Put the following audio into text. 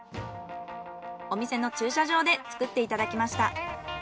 お店の駐車場で作っていただきました。